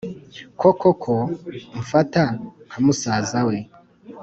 koko ko umfata nkamusaza we